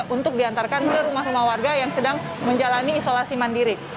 untuk diantarkan ke rumah rumah warga yang sedang menjalani isolasi mandiri